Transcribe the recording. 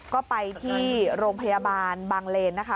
ก็ไปที่โรงพยาบาลบางเลนนะคะ